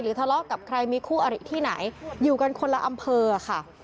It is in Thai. ทะเลาะกับใครมีคู่อริที่ไหนอยู่กันคนละอำเภอค่ะ